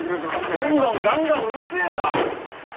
ドンドンガンガンうるせえよ！